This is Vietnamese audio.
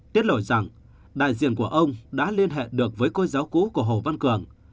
tiết lội rằng đại diện của ông đã liên hệ được với cô giáo cũ của hồ văn cường